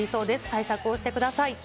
対策をしてください。